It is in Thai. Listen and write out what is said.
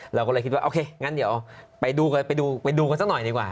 เราก็เลยคิดว่าโอเคงั้นเดี๋ยวไปดูกันสักหน่อยดีกว่า